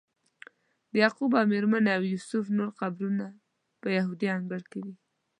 د یعقوب او میرمنې او یوسف نور قبرونه په یهودي انګړ کې دي.